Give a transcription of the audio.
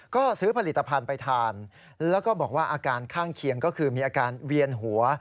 ก็ซื้อผลิตภัณฑ์ไปทานแล้วก็บอกว่าอาการข้างเคียงก็คือมีอาการเวียนหัว